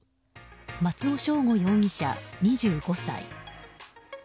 松尾将吾容疑者、２５歳。